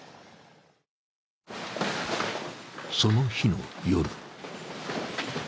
その日の夜。